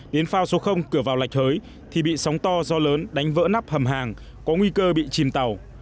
đến phao số cửa vào lạch hới thì bị sóng to do lớn đánh vỡ nắp hầm hàng có nguy cơ bị chìm tàu